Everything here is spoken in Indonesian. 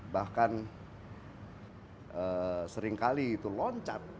bahkan seringkali itu loncat